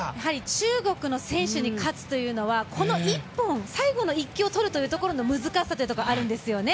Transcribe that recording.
中国の選手に勝つというのは、最後の１球をとるというところの難しさというところがあるんですよね。